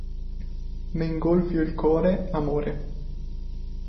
M'engolfi 'l core, amore".